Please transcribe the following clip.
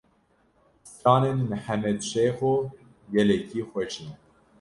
Stranên Mihemed Şêxo gelekî xweş in.